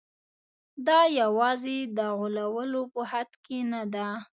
دا یوازې د غولولو په حد کې نه ده.